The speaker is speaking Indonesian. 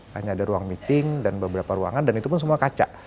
hanya ada ruang meeting dan beberapa ruangan dan itu pun semua kaca